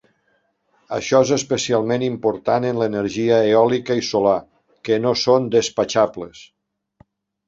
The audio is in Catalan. Això és especialment important en l'energia eòlica i solar, que no són despatxables.